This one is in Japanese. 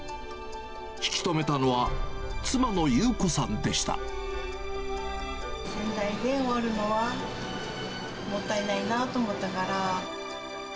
引き留めたのは、妻の裕子さんで先代で終わるのは、もったいないなと思ったから。